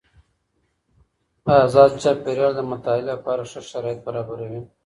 ازاد چاپیریال د مطالعې لپاره ښه شرايط برابروي.